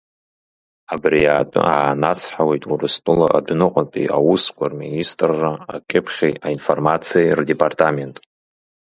Абри атәы аанацҳауеит Урыстәыла адәныҟатәи аусқәа рминистрра акьыԥхьи аинформациеи рдепартамент.